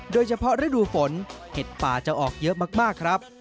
โดยเฉพาะฤดูฝนเห็ดป่าจะออกเยอะมากครับ